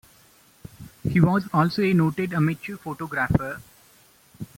He was also a noted amateur photographer.